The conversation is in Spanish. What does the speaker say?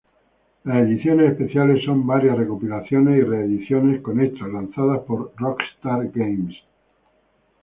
Las ediciones especiales son varias recopilaciones y reediciones con extras, lanzadas por Rockstar Games.